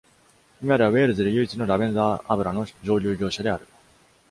今ではウェールズで唯一のラベンダー油の蒸留業者である。